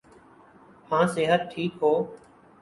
ہاں صحت ٹھیک ہو۔